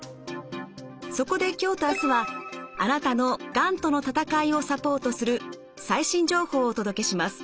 そこで今日と明日はあなたのがんとの闘いをサポートする最新情報をお届けします。